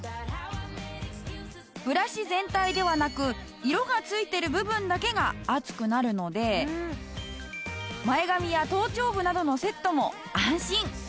ブラシ全体ではなく色がついている部分だけが熱くなるので前髪や頭頂部などのセットも安心。